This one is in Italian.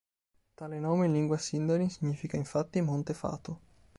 Tale nome in lingua Sindarin significa infatti Monte Fato.